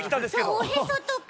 おへそとか。